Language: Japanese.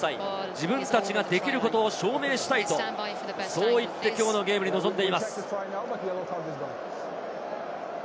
自分たちができることを証明したいと言ってきょうのゲームに臨んでいます。